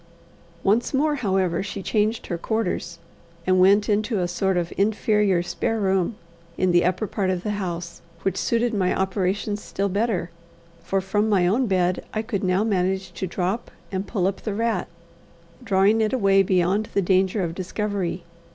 Once more, however, she changed her quarters, and went into a sort of inferior spare room in the upper part of the house, which suited my operations still better, for from my own bed I could now manage to drop and pull up the rat, drawing it away beyond the danger of discovery.